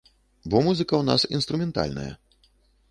Бо музыка ў нас інструментальная.